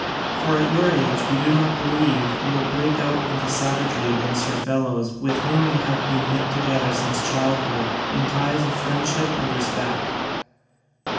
For at your age we do not believe you will break out into savagery against your fellows with whom you have been knit together since childhood in ties of friendship and respect.